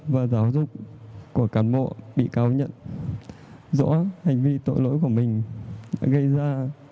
và giáo dục của cán bộ bị cáo nhận rõ hành vi tội lỗi của mình gây ra